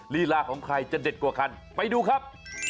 ลีลาของใครจะเด็ดกว่าคันไปดูครับ